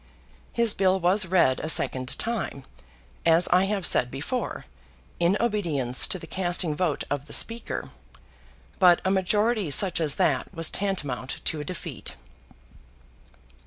His bill was read a second time, as I have said before, in obedience to the casting vote of the Speaker, but a majority such as that was tantamount to a defeat.